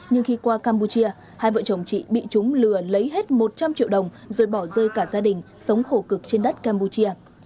nhưng khi qua campuchia hai vợ chồng chị bị chúng lừa lấy hết một trăm linh triệu đồng rồi bỏ rơi cả gia đình sống khổ cực trên đất campuchia